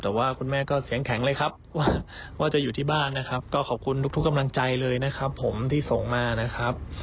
แต่ว่าคุณแม่ก็เสียงแข็งเลยครับว่าจะอยู่ที่บ้านนะครับก็ขอบคุณทุกกำลังใจเลยนะครับผมที่ส่งมานะครับ